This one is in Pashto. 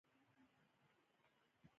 اړېکو او روابطو په باب څېړنه وکړي.